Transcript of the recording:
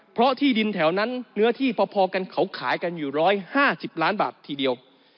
เพราะที่ดินแถวนั้นเนื้อที่พอกันเขาขายกันอยู่๑๕๐ล้านบาททีเดียว